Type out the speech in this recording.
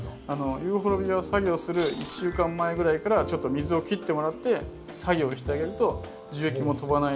ユーフォルビアを作業する１週間前ぐらいからちょっと水を切ってもらって作業をしてあげると樹液も飛ばない